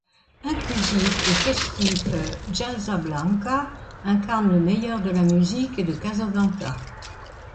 Inclusif et festif, Jazzablanca incarne le meilleur de la musique et de Casablanca.